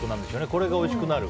これがおいしくなる？